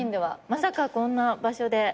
まさかこんな場所で。